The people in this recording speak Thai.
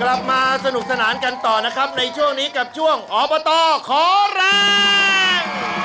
กลับมาสนุกสนานกันต่อนะครับในช่วงนี้กับช่วงอบตขอแรง